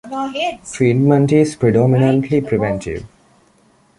Treatment is predominantly preventive.